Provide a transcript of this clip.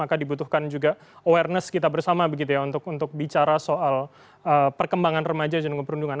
maka dibutuhkan juga awareness kita bersama begitu ya untuk bicara soal perkembangan remaja dan juga perundungan